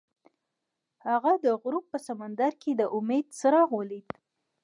هغه د غروب په سمندر کې د امید څراغ ولید.